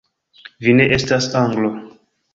Vi ne estas Anglo!